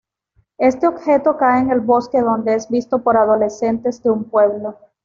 Este objeto cae en el bosque donde es visto por adolescentes de un pueblo.